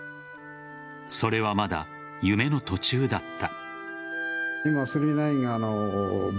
それは、まだ夢の途中だった。